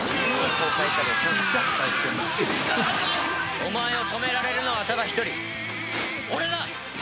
お前を止められるのはただ一人俺だ！